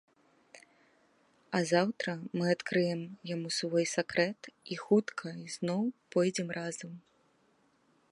А заўтра мы адкрыем яму свой сакрэт і хутка ізноў пойдзем разам.